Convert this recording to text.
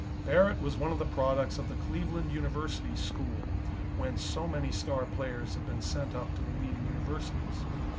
Barrett was one of the products of the Cleveland University School, whence so many star players have been sent up to the leading universities.